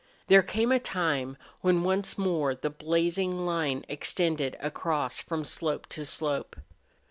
There came a time when once more the blazing line extended across from slope to slope.